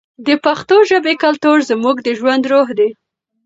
د پښتو ژبې کلتور زموږ د ژوند روح دی.